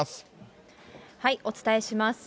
お伝えします。